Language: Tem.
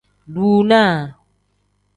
Dunaa.